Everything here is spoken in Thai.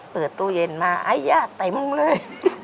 เปิดตู้เย็นมาไอ้ยาไต้มุ่งเลย